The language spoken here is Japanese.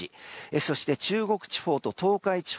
そして中国地方と東海地方